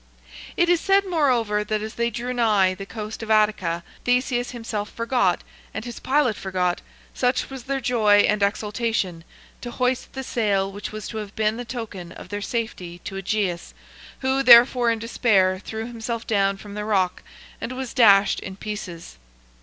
XXII. It is said, moreover, that as they drew nigh the coast of Attica, 'Theseus himself forgot, and his pilot forgot, such was their joy and exultation, to hoist the sail which was to have been the token of their safety to Aegeus, who therefore, in despair, threw himself down from the rock and was dashed in pieces.